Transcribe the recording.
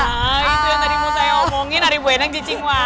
nah itu yang tadi mau saya omongin hari bu endang cacing wajah